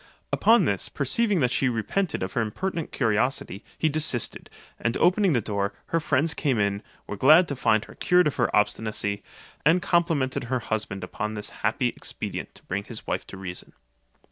Upon this, perceiving that she repented of her impertinent curiosity, he desisted; and opening the door, her friends came in, were glad to find her cured of her obstinacy, and complimented her husband upon this happy expedient to bring his wife to reason.